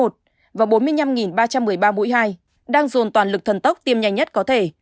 trong hai ngày triển khai đang dồn toàn lực thần tốc tiêm nhanh nhất có thể